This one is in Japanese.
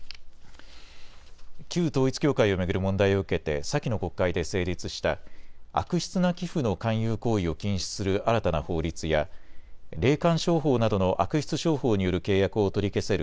旧統一教会を巡る問題を受けて先の国会で成立した悪質な寄付の勧誘行為を禁止する新たな法律や霊感商法などの悪質商法による契約を取り消せる